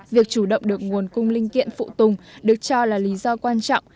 việc chủ động được nguồn cung linh kiện phụ tùng được cho là lý do quan trọng